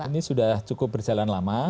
ini sudah cukup berjalan lama